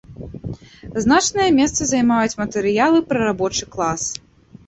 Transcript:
Значнае месца займаюць матэрыялы пра рабочы клас.